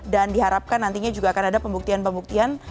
dan diharapkan nantinya juga akan ada pembuktian pembuktian